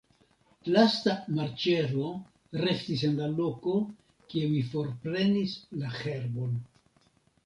Lasta marĉero restis en la loko, kie mi forprenis la herbon.